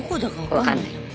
分かんない。